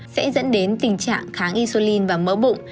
sẽ dẫn đến tình trạng kháng isolin và mỡ bụng